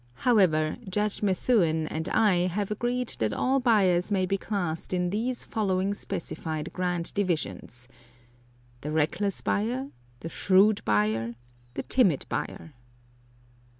However, Judge Methuen and I have agreed that all buyers may be classed in these following specified grand divisions: The reckless buyer. The shrewd buyer. The timid buyer.